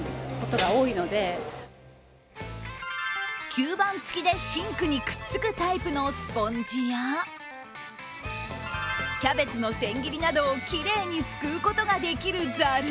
吸盤付きでシンクにくっつくタイプのスポンジやキャベツの千切りなどをきれいにすくうことができるざる。